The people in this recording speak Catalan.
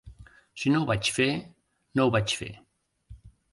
Si no ho vaig fer, no ho vaig fer.